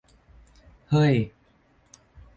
เห้ย